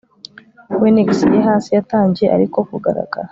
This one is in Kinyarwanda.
Phoenix ye hasi yatangiye ariko kugaragara